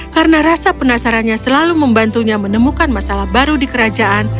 karena rasa penasarannya selalu membantunya menemukan masalah baru di kerajaan